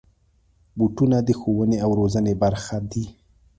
بوټونه د ښوونې او روزنې برخه دي.